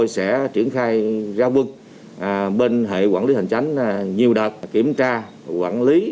sẽ triển khai ra quân bên hệ quản lý hành tránh nhiều đợt kiểm tra quản lý